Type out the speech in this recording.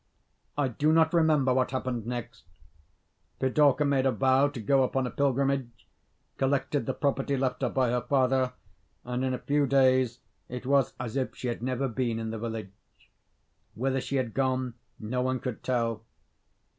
I do not remember what happened next. Pidorka made a vow to go upon a pilgrimage, collected the property left her by her father, and in a few days it was as if she had never been in the village. Whither she had gone, no one could tell.